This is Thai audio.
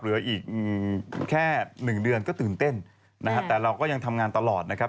เหลืออีกแค่หนึ่งเดือนก็ตื่นเต้นนะฮะแต่เราก็ยังทำงานตลอดนะครับ